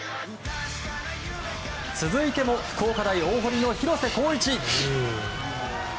続いても福岡大大濠の広瀬孝一。